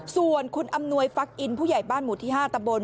ส่วนคุณอำนวยฟักอินผู้ใหญ่บ้านหมู่ที่๕ตำบล